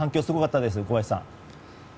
すごかったです。